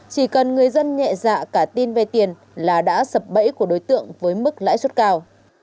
chỉ cần người dân nhẹ dạ cả tin vay tiền là đã sập bẫy của đối tượng với mức lãi suất cao